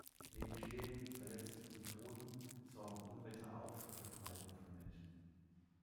Neben Schäden, Verletzten und Toten, sorgen Unwetter auch für Vertreibung von Menschen.